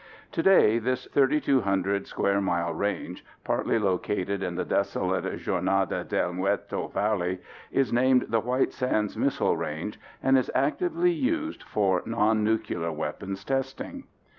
Today this 3,200 square mile range, partly located in the desolate Jornada del Muerto Valley, is named the White Sands Missile Range and is actively used for non nuclear weapons testing.